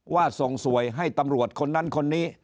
ว่าส่งสวยให้ตำรวจคนนั้นคนนี้